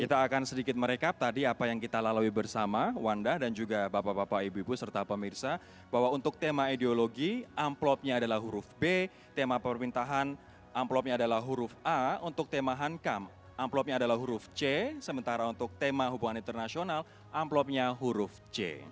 kita akan sedikit merekap tadi apa yang kita lalui bersama wanda dan juga bapak bapak ibu ibu serta pemirsa bahwa untuk tema ideologi amplopnya adalah huruf b tema pemerintahan amplopnya adalah huruf a untuk tema hankam amplopnya adalah huruf c sementara untuk tema hubungan internasional amplopnya huruf c